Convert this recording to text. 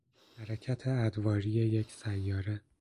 حرکت ادواری یک سیاره